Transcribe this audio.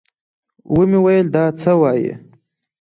ومې ويل دا څه وايې.